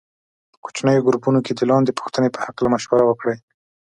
په کوچنیو ګروپونو کې د لاندې پوښتنې په هکله مشوره وکړئ.